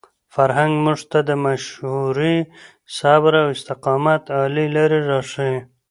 فرهنګ موږ ته د مشورې، صبر او استقامت عالي لارې راښيي.